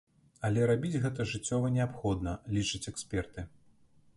Але рабіць гэта жыццёва неабходна, лічаць эксперты.